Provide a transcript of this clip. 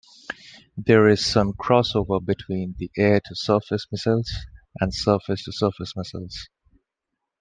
There is some cross-over between air-to-surface missiles and surface-to-surface missiles.